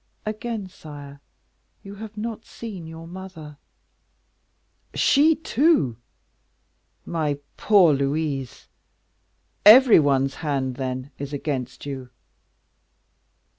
"Again, sire, you have not seen your mother." "She, too! my poor Louise! every one's hand, then, is against you."